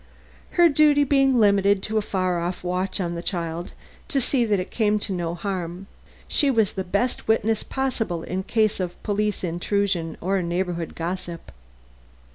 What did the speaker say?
Her duties being limited to a far off watch on the child to see that it came to no harm, she was the best witness possible in case of police intrusion or neighborhood gossip.